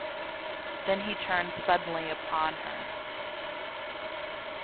Then he turned suddenly upon her.